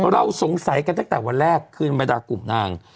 เราสงสัยกันตั้งแต่วันแรกคืนบรรดากลุ่มนาง